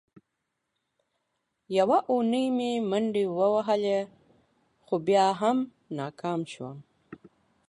یوه اونۍ مې منډې ووهلې، خو بیا هم ناکام شوم.